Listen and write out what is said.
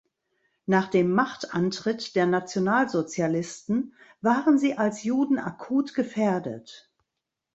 Nach dem Machtantritt der Nationalsozialisten waren sie als Juden akut gefährdet.